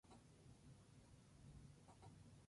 Ha estado en las ligas amateur durante toda su historia.